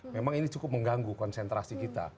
memang ini cukup mengganggu konsentrasi kita